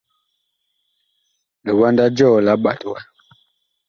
Liwanda jɔɔ la ɓat wa.